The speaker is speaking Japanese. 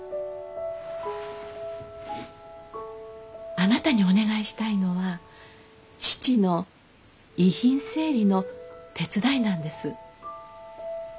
あなたにお願いしたいのは父の遺品整理の手伝いなんです。